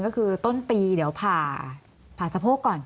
ก็คือต้นปีเดี๋ยวผ่าผ่าสะโพกก่อน